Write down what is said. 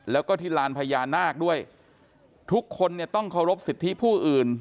แล้วก็ที่ลานพญานาคด้วยทุกคนเนี่ยต้องเคารพสิทธิผู้อื่น